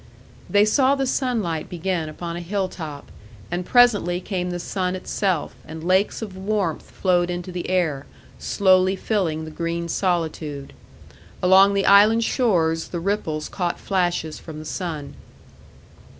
They saw the sunlight begin upon a hilltop; and presently came the sun itself, and lakes of warmth flowed into the air, slowly filling the green solitude. Along the island shores the ripples caught flashes from the sun.